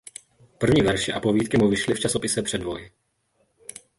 První verše a povídky mu vyšly v časopise "Předvoj".